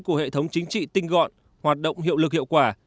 của hệ thống chính trị tinh gọn hoạt động hiệu lực hiệu quả